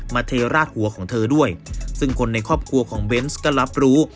เทราดหัวของเธอด้วยซึ่งคนในครอบครัวของเบนส์ก็รับรู้